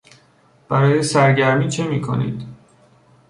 برای سرگرمی چه میکنید؟